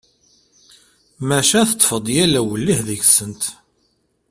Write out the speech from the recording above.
Maca teṭṭef-d yal awellih deg-sent.